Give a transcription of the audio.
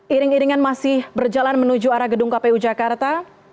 iring iringan masih berjalan menuju arah gedung kpu jakarta